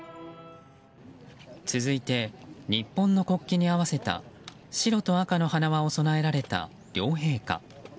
続いて、日本の国旗に合わせた白と赤の花輪を供えられた両陛下。